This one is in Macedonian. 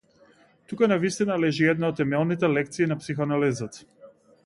Тука навистина лежи една од темелните лекции на психоанализата.